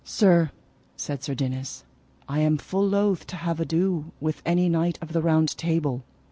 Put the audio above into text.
Sir, said Sir Dinas, I am full loath to have ado with any knight of the Round Table.